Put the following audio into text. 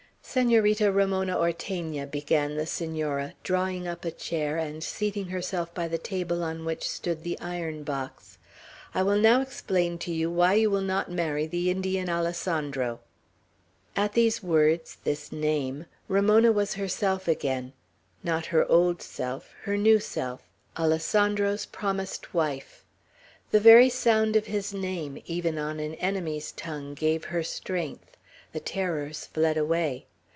"Senorita Ramona Ortegna," began the Senora, drawing up a chair, and seating herself by the table on which stood the iron box, "I will now explain to you why you will not marry the Indian Alessandro." At these words, this name, Ramona was herself again, not her old self, her new self, Alessandro's promised wife. The very sound of his name, even on an enemy's tongue, gave her strength. The terrors fled away.